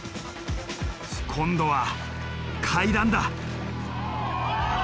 今度は階段だ。